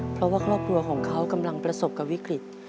เพราะว่าครอบครัวของเขากำลังประสบกับวิกฤต